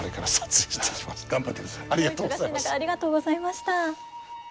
お忙しい中ありがとうございました。